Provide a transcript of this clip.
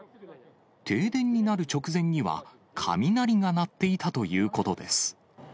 停電になる直前には、雷が鳴っていたということです。